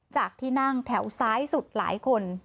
จากที่นั่งแถวซ้ายสุดหลายคน